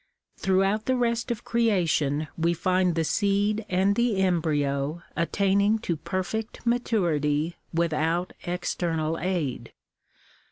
Throughout the rest of creation we find the seed and the embryo attaining to perfect maturity without external aid.